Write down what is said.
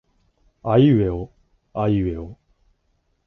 あいうえおあいうえお